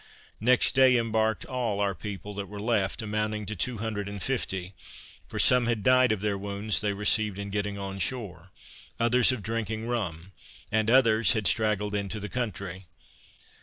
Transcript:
Next day embarked all our people that were left, amounting to two hundred and fifty; for some had died of their wounds they received in getting on shore; others of drinking rum, and others had straggled into the country.